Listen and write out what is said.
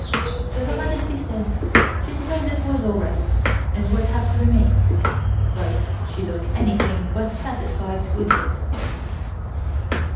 So Her Majesty said she supposed it was all right, and would have to remain, but she looked anything but satisfied with it.